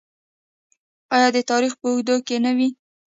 آیا د تاریخ په اوږدو کې نه وي؟